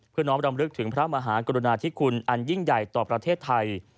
น้องรำลึกถึงพระมหากรุณาธิคุณอันยิ่งใหญ่ต่อประเทศไทย